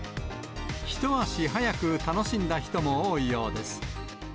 一足早く楽しんだ人も多いようです。